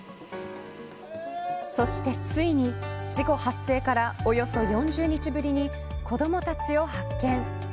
そしてついに事故発生からおよそ４０日ぶりに子どもたちを発見。